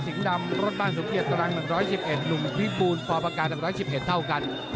ดำรถบ้านสมเกียจตรัง๑๑๑หนุ่มพิษบูรณปการ๑๑๑เท่ากัน